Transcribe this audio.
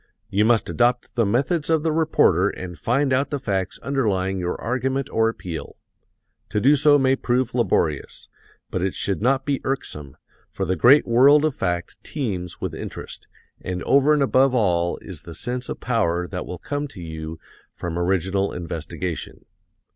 You must adopt the methods of the reporter and find out the facts underlying your argument or appeal. To do so may prove laborious, but it should not be irksome, for the great world of fact teems with interest, and over and above all is the sense of power that will come to you from original investigation.